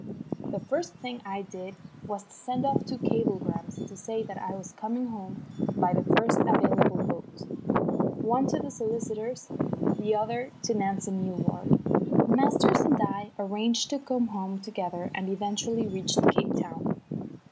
The first thing I did was to send off two cablegrams to say that I was coming home by the first available boat, one to the solicitors, the other to Nancy Milward. Masters and I arranged to come home together and eventually reached Cape Town.